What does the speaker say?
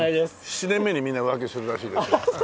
７年目にみんな浮気するらしいですよ。